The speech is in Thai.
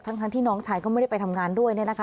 ทั้งที่น้องชายก็ไม่ได้ไปทำงานด้วย